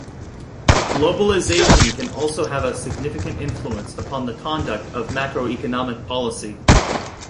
Globalisation can also have a significant influence upon the conduct of macroeconomic policy.